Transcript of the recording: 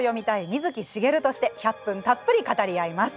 水木しげるとして１００分たっぷり語り合います。